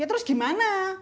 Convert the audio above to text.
yaa terus gimana